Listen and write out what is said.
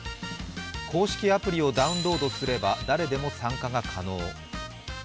公式アプリをダウンロードすれば誰でも参加が可能。